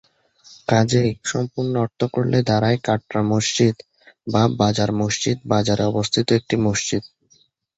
কাজেই সম্পূর্ণ অর্থ করলে দাড়ায় কাটরা মসজিদ বা বাজার মসজিদ, বাজারে অবস্থিত একটি মসজিদ।